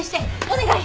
お願い！